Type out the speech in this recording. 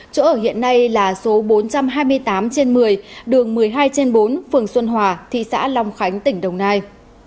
chỗ ở hiện nay là số bốn trăm hai mươi tám trên một mươi đường một mươi hai trên bốn phường xuân hòa thị xã long khánh tỉnh đồng nai